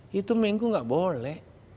hitung minggu tidak boleh